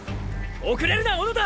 遅れるな小野田！！